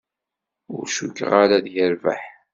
Ur cukkeɣ ara ad yerbeḥ.